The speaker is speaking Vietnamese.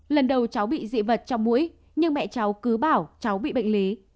lần đầu cháu bị dị vật trong mũi nhưng mẹ cháu cứ bảo cháu bị bệnh lý